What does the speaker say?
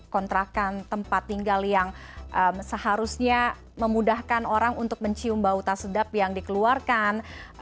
kontrakan tempat tinggal yang seharusnya memudahkan orang untuk mencium bau tak sedap yang dikeluarkan